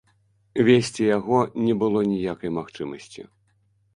Весці яго не было ніякай магчымасці.